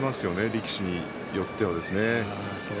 力士によっては。